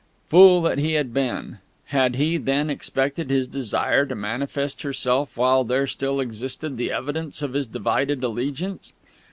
Fool that he had been! Had he, then, expected his Desire to manifest herself while there still existed the evidence of his divided allegiance?